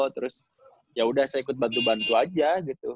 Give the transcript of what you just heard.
terus yaudah saya ikut bantu bantu aja gitu